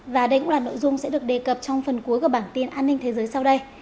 và đây cũng là nội dung sẽ được đề cập trong phần cuối của bản tin an ninh thế giới sau đây